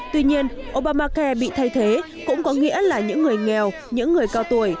tuy nhiên obamacai bị thay thế cũng có nghĩa là những người nghèo những người cao tuổi